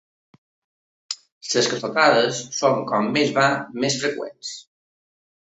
Les calçotades són com més va més freqüents.